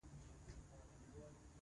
مشروطه څشي ده.